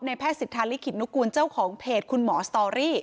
แพทย์สิทธาลิขิตนุกูลเจ้าของเพจคุณหมอสตอรี่